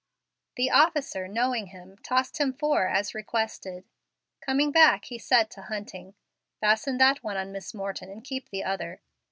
The officer, knowing him, tossed him four as requested. Coming back, he said to Hunting, "Fasten that one on Miss Morton and keep the other."